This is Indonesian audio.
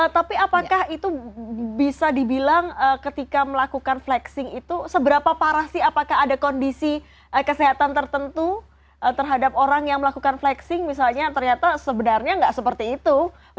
tapi apakah itu bisa dibilang ketika melakukan flexing itu seberapa parah sih apakah ada kondisi kesehatan tertentu terhadap orang yang melakukan flexing misalnya ternyata sebenarnya nggak seperti itu